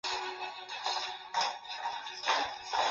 圣经记载扫罗最后死在和非利士人的战争中。